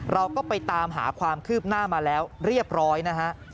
เราก็ไปตามหาความคืบหน้ามาแล้วเรียบร้อยนะฮะ